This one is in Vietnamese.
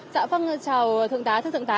dạ vâng chào thượng tá thưa thượng tá